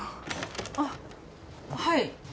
あっはい。